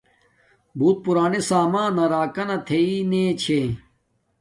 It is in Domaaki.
بوت پُرانے سامان راکانا تھݵ نے چھے